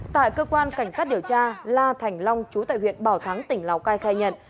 tại cơ quan cảnh sát điều tra la thành long chú tại huyện bảo thắng tỉnh lào cai khai nhận